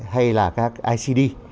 hay là các icd